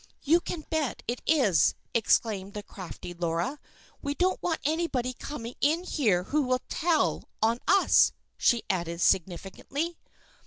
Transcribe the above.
"You can bet it is!" exclaimed the crafty Laura. "We don't want anybody coming in here who will tell on us," she added significantly.